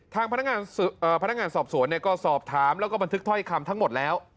พนักงานสอบสวนก็สอบถามแล้วก็บันทึกถ้อยคำทั้งหมดแล้ว